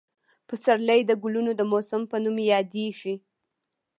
پسرلی د ګلونو د موسم په نوم یادېږي.